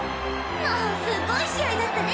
もうすごい試合だったね